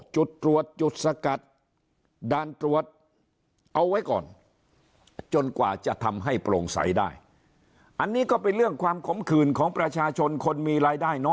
จุดตรวจจุดซะสกัดดานตรวจเอาไว้ก่อนจนกว่าจะทำให้โปร่งใสได้